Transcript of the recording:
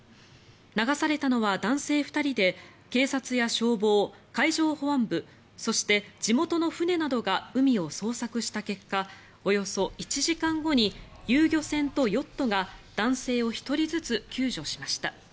流されたのは男性２人で警察や消防、海上保安部そして地元の船などが海を捜索した結果およそ１時間後に遊漁船とヨットが男性を１人ずつ救助しました。